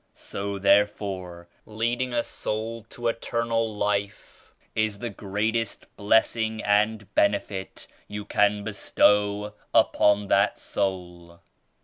So therefore leading a soul to Eter nal Life is the greatest blessing and benefit you can bestow upon that soul."